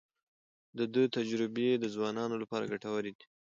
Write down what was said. د ده تجربې د ځوانانو لپاره ګټورې دي.